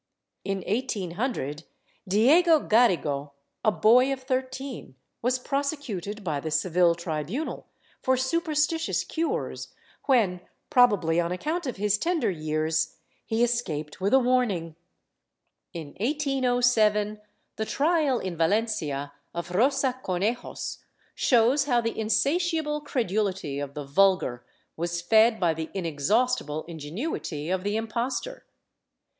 ^ In 1800, Diego Garrigo, a boy of 13, was prosecuted by the Seville tribunal for superstitious cures when, probably on account of his tender years, he escaped with a warning.^ In 1807 the trial in Valencia of Rosa Conejos shows how the insatiable credulity of the vulgar was fed by the inexhaustible ingenuity of the impostor.